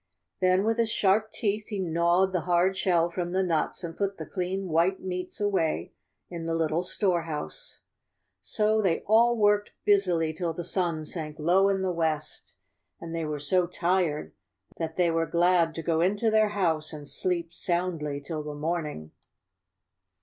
Then with his sharp teeth he gnawed the hard shell from the nuts and put the clean white meats away in the little store house. ^^So they all worked busily till the sun sank low in the west, and they were so tired that they were glad to go into their house and sleep soundly till the morning.